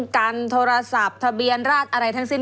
กันโทรศัพท์ทะเบียนราชอะไรทั้งสิ้น